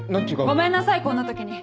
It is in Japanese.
ごめんなさいこんな時に。